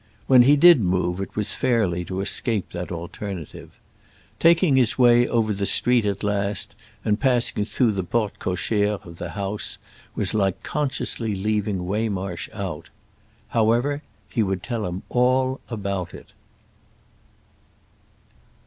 When he did move it was fairly to escape that alternative. Taking his way over the street at last and passing through the porte cochère of the house was like consciously leaving Waymarsh out. However, he would tell him all about it.